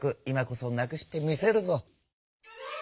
今こそ無くしてみせるぞ。